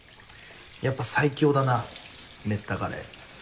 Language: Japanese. やっぱ最強だなめったカレー。